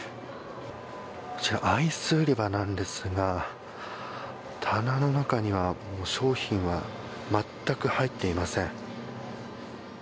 こちらアイス売り場なんですが棚の中には商品は全く入っていません。